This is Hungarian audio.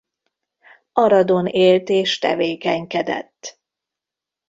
Aradon élt és tevékenykedett.